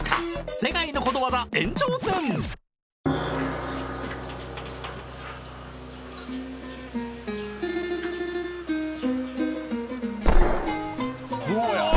世界のことわざ延長戦うわぁ